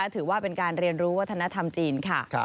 ถือว่าเป็นการเรียนรู้วัฒนธรรมจีนค่ะ